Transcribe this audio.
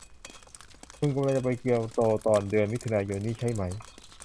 คุณกำลังจะไปเกียวโตตอนเดือนมิถุนายนนี้ใช่ไหม